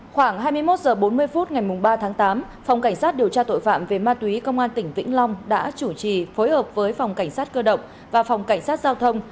khoảng hai mươi một h bốn mươi phút ngày ba tháng tám phòng cảnh sát điều tra tội phạm về ma túy công an tỉnh vĩnh long đã chủ trì phối hợp với phòng cảnh sát cơ động và phòng cảnh sát giao thông